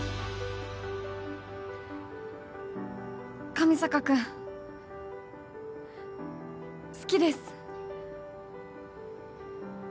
上坂君好きです。